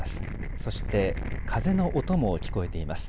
そして風の音も聞こえています。